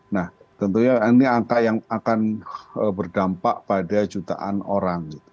nah tentunya ini angka yang akan berdampak pada jutaan orang